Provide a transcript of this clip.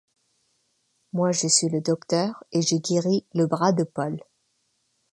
Moi, je suis le docteur et j’ai guéri le bras de Paul.